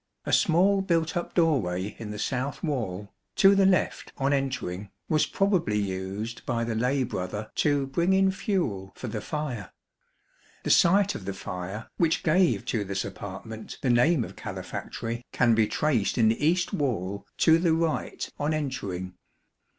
A small built up doorway in the south wall, to the left on entering, was probably used by the lay brother to bring in fuel for the fire. The site of the fire, which gave to this apartment the name of calefactory, can be traced in the east wall to the right on entering.